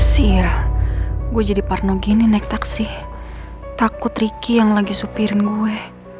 gue jadi parno gini naik taksi takut ricky yang lagi supirin gue